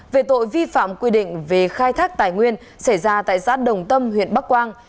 về tội vi phạm quy định về khai thác tài nguyên xảy ra tại giáp đồng tâm huyện bắc quang